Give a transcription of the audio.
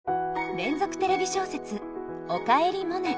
連続テレビ小説「おかえりモネ」。